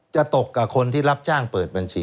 จะตกกับคนที่รับจ้างเปิดบัญชี